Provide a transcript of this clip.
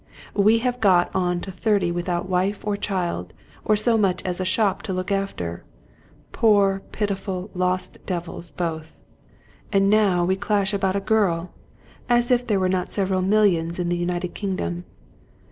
we have got on to thirty without wife or child, or so much as a shop to look after — ^poor, pitiful, lost devils, both I And now we clash about a girl ! As if there were not several millions in the United Kingdom